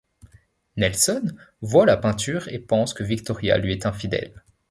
Nelson voit la peinture et pense que Victoria lui est infidèle.